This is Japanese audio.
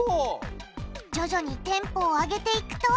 徐々にテンポを上げていくと。